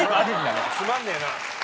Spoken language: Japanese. つまんねえなぁ。